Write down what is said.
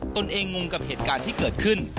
ตัวเองงงกับเหตุการณ์ที่เกิดขึ้น